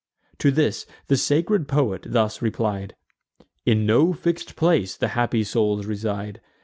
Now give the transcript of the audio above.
To this the sacred poet thus replied: "In no fix'd place the happy souls reside.